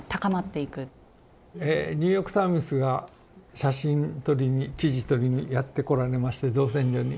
「ニューヨーク・タイムズ」が写真撮りに記事とりにやってこられまして造船所に。